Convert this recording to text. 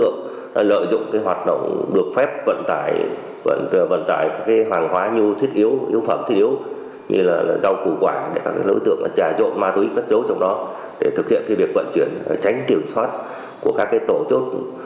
nguy trang ma túy cất dấu trong đó để thực hiện việc vận chuyển tránh kiểm soát của các tổ chốt